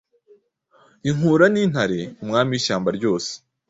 inkura n’intare umwami w’ishyamba ryose